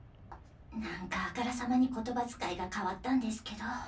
なんかあからさまに言葉遣いが変わったんですけど。